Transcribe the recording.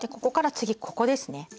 ここですね。